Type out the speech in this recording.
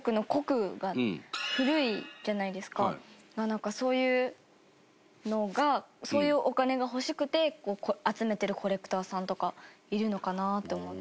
なんか、そういうのがそういうお金が欲しくて集めてるコレクターさんとかいるのかなって思って。